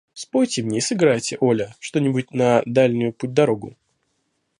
Спойте мне и сыграйте, Оля, что-нибудь на дальнюю путь-дорогу.